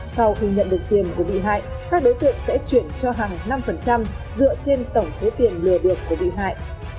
sau khi nhận được tiền của bị hại các đối tượng sẽ chuyển cho hằng năm dựa trên tổng số tiền lừa được của bị hại